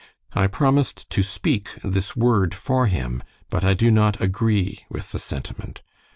I promised to speak this word for him, but I do not agree with the sentiment.